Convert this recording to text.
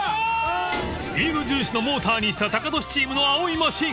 ［スピード重視のモーターにしたタカトシチームの青いマシン］